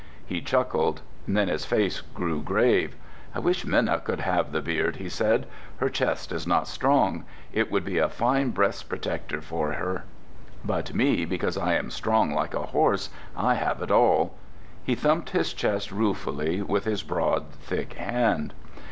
He chuckled; then his face grew grave. "I wish Minna could have the beard," he said. "Her chest is not strong. It would be a fine breast protector for her. But me, because I am strong like a horse, I have it all!" He thumped his chest ruefully with his broad, thick hand.